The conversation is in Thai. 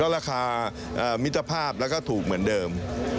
ราคามิทธภาพและถูกเหมือนเดิม